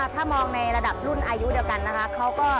ถ้ามองในระดับรุ่นอายุเดียวกันนะคะ